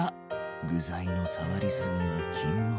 具材の触りすぎは禁物。